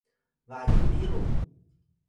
bayi biru